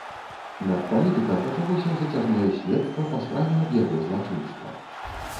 Над палітыкам пачалося зацяжное следства па справе аб яго злачынствах.